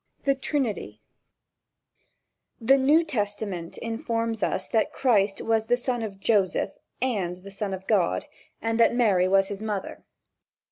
THE TRINITY THE New Testament informs us that Christ was the son of Joseph and the son of God, and that Mary was his mother.